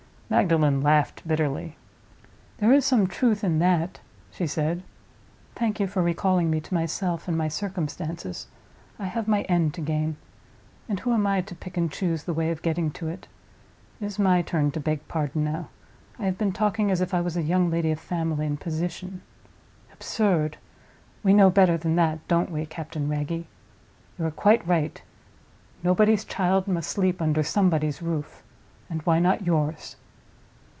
Magdalen laughed, bitterly. "There is some truth in that," she said. "Thank you for recalling me to myself and my circumstances. I have my end to gain—and who am I, to pick and choose the way of getting to it? It is my turn to beg pardon now. I have been talking as if I was a young lady of family and position. Absurd! We know better than that, don't we, Captain Wragge? You are quite right. Nobody's child must sleep under Somebody's roof—and why not yours?"